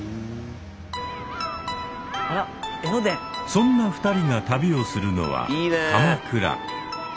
そんな２人が旅をするのは鎌倉。